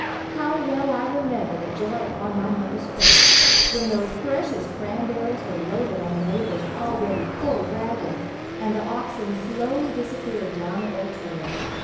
How well I remember the joy upon my mother's face, when those precious cranberries were loaded on the neighbor's already full wagon and the oxen slowly disappeared down the old trail!